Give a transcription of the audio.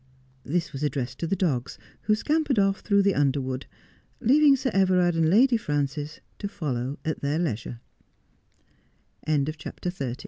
This was addressed to the dogs, who scampered off through the underwood, leaving Sir Everard and Lady Frances to follow at their leisure.